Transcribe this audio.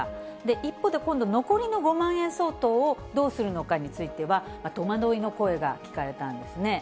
一方で今度、残りの５万円相当をどうするのかについては、戸惑いの声が聞かれたんですね。